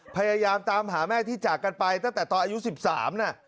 พยายามตามหาแม่ที่จากกันไปตั้งแต่ตอนอายุ๑๓น่ะ